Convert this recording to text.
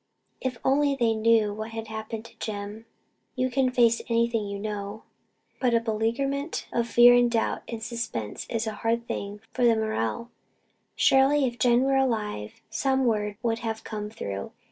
If only they knew what had happened to Jem you can face anything you know. But a beleaguerment of fear and doubt and suspense is a hard thing for the morale. Surely, if Jem were alive, some word would have come through.